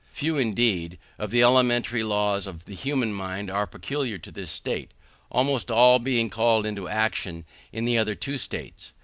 Few, indeed, of the elementary laws of the human mind are peculiar to this state, almost all being called into action in the two other states.